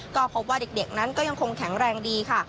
ก็พบว่าเด็กนั้นก็ยังคงแข็งแรงดีค่ะ